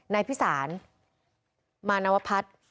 นายพิสารมานวพัฒน์